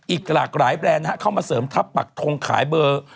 อีกหลากหลายแบรนด์เข้ามาเสริมทัพปักทงขายเบอร์